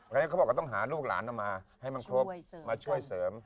เลยเค้าบอกต้องหารูขาลลานเข้ามาให้มาช่วยเสริม